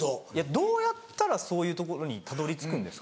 どうやったらそういうところにたどり着くんですかね？